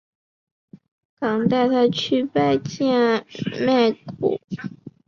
耿秉带他去拜见窦固。